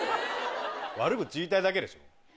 悪口言いたいだけでしょ。